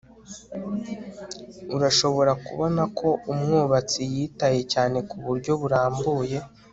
urashobora kubona ko umwubatsi yitaye cyane kuburyo burambuye